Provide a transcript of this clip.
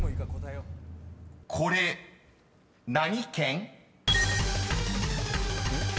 ［これ何県？］